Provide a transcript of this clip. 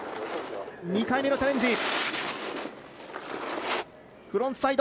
２回目のチャレンジ。